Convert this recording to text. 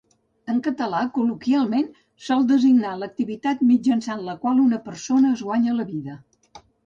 En català, col·loquialment, sol designar l'activitat mitjançant la qual una persona es guanya la vida.